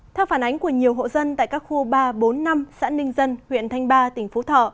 theo phản ánh của nhiều hộ dân tại các khu ba bốn năm xã ninh dân huyện thanh ba tỉnh phú thọ